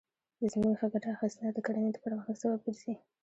د ځمکې ښه ګټه اخیستنه د کرنې د پرمختګ سبب ګرځي.